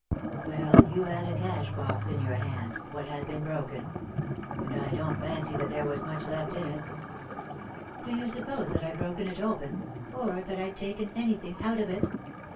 " "Well, you had a cash box in your hand, what had been broken open ; and I don't fancy that there was much left in it I "" Do you suppose that I'd broken it open ? Or that I'd taken anything out of it